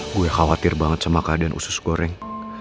gue khawatir banget sama keadaan usus goreng